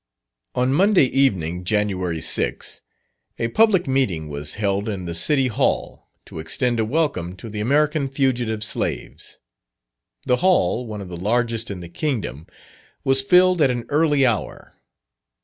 On Monday evening, Jan. 6, a public meeting was held in the City Hall, to extend a welcome to the American fugitive slaves. The hall, one of the largest in the kingdom, was filled at an early hour.